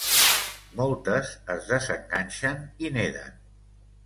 Moltes es desenganxen i neden.